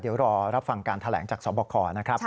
เดี๋ยวรอรับฟังการแถลงจากสบคนะครับ